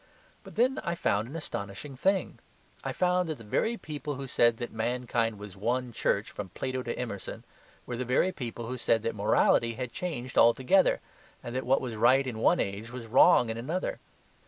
But then I found an astonishing thing. I found that the very people who said that mankind was one church from Plato to Emerson were the very people who said that morality had changed altogether, and that what was right in one age was wrong in another.